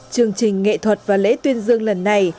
chương trình nghệ thuật và lễ tuyên dương lần này